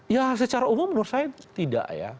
ya secara umum menurut saya tidak ya